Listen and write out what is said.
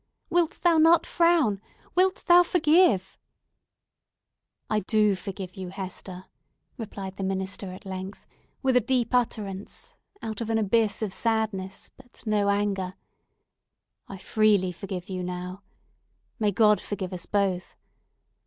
"Wilt thou not frown? Wilt thou forgive?" "I do forgive you, Hester," replied the minister at length, with a deep utterance, out of an abyss of sadness, but no anger. "I freely forgive you now. May God forgive us both.